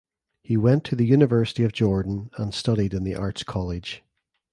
He went to the University of Jordan and studied in the Arts College.